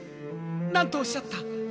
何とおっしゃった！